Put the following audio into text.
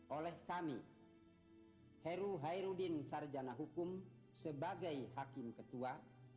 oleh kami heru hairudin sarjana hukum sebagai hakim ketua